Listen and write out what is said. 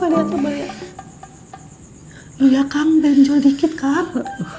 lu lihat kan benjol dikit kan